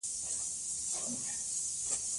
زردالو د افغانستان د شنو سیمو یوه طبیعي ښکلا ده.